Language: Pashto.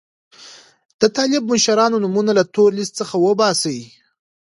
د طالب مشرانو نومونه له تور لیست څخه وباسي.